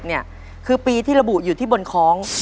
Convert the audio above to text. เนี่ยคือปีที่ระบุอยู่ที่บนคล้อง